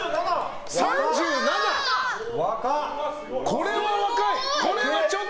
これは若い！